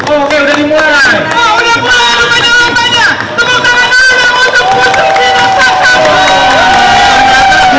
oke udah dimulai